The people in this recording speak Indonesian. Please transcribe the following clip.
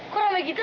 kok rame gitu